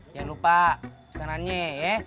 jangan lupa pesanannya yeh